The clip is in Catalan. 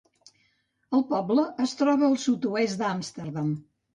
El poble es troba al sud-oest d'Amsterdam.